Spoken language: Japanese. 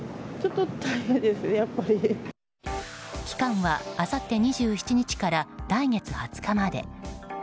期間はあさって２７日から来月２０日まで。